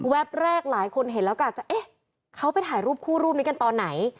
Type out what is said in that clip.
แรกหลายคนเห็นแล้วก็อาจจะเอ๊ะเขาไปถ่ายรูปคู่รูปนี้กันตอนไหน